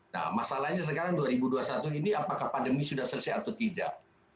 nah masalahnya sekarang dua ribu dua puluh satu ini apakah pandemi sudah selesai atau tidak